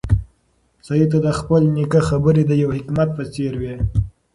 سعید ته د خپل نیکه خبرې د یو حکمت په څېر وې.